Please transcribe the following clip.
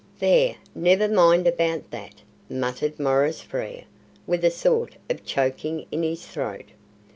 "There, never mind about that," muttered Maurice Frere, with a sort of choking in his throat.